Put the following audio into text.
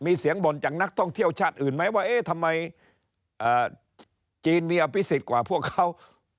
มีเสียงบ่นจากนักท่องเที่ยวชาติอื่นไหมว่าเอ๊ะทำไมจีนมีอภิษฎกว่าพวกเขา